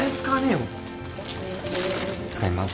使います。